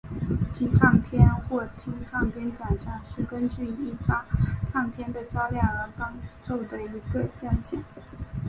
金唱片或金唱片奖项是根据一张唱片的销量而颁授的一个奖项。